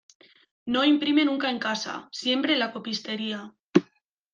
No imprime nunca en casa, siempre en la copistería.